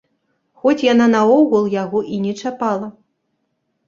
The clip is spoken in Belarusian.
Хоць яна наогул яго не чапала!